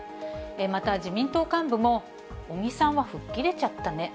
また、自民党幹部も、尾身さんは吹っ切れちゃったね。